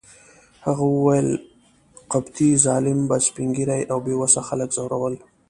هغه وویل: قبطي ظالم به سپین ږیري او بې وسه خلک ځورول.